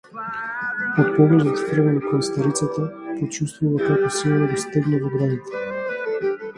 Од погледот фрлен кон старицата, почувствува како силно го стегна во градите.